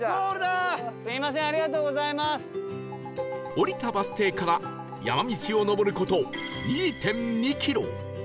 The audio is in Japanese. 降りたバス停から山道を上る事 ２．２ キロ